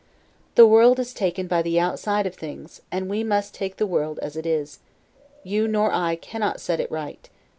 The world is taken by the outside of things, and we must take the world as it is; you nor I cannot set it right.